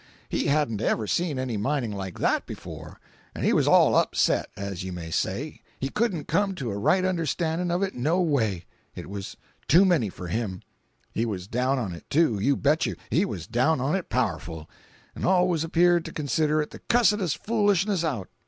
He hadn't ever seen any mining like that before, 'n' he was all upset, as you may say—he couldn't come to a right understanding of it no way—it was too many for him. He was down on it, too, you bet you—he was down on it powerful—'n' always appeared to consider it the cussedest foolishness out.